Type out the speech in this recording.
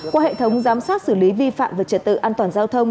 qua hệ thống giám sát xử lý vi phạm về trật tự an toàn giao thông